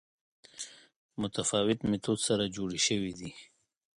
متفاوت میتود سره جوړې شوې دي